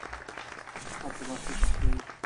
په سفر کې لارښود ته اړتیا وي.